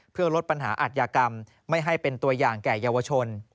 เพื่อลดปัญหาอัธยากรรมไม่ให้เป็นตัวอย่างแก่เยาวชน